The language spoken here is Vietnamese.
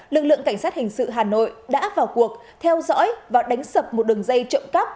lực lượng cảnh sát hình sự hà nội đã vào cuộc theo dõi và đánh sập một đường dây trộm cắp